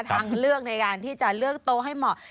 ทางเลือกในการที่จะเลือกโต๊ะให้เหมาะ